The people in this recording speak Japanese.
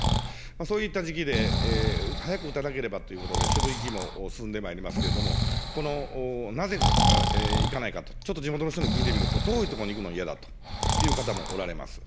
そういった時期で早く打たなければということで職域も進んでまいりますけれども、このなぜ行かないかと、ちょっと地元の人に聞いてみると、遠い所に行くのが嫌だという方もおられます。